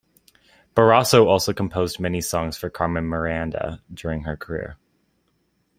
Barroso also composed many songs for Carmen Miranda during her career.